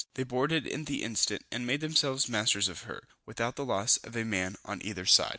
They boarded in the instant, and made themselves masters of her, without the loss of a man on either side.